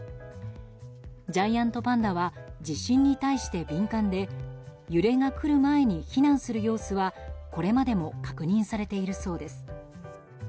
ジャイアントパンダは地震に対して敏感で揺れが来る前に避難する様子はこれまでも確認されているそうです。